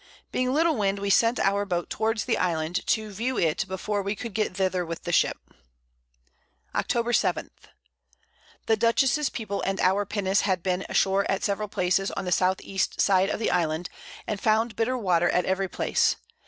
Being little Wind we sent our Boat towards the Island, to view it before we could get thither with the Ship. Octob. 7. The Dutchess's People, and our Pinnace had been ashore at several Places on the S. E. side of the Island, and found bitter Water at every Place.